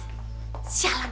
permisi ya bu